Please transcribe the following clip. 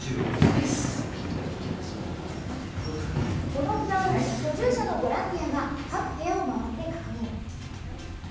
この札を居住者のボランティアが各部屋を回って確認。